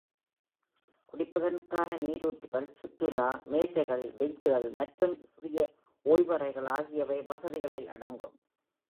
குடிபதற்கான நீரூற்றுகள், சுற்றுலா மேசைகள், பெஞ்சுகள் மற்றும் சிறிய ஓய்வறைகள் ஆகியவை வசதிகளில் அடங்கும்.